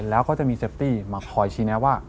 แล้วเขาจะมีเซฟตี้มาคอยชี้แนะว่า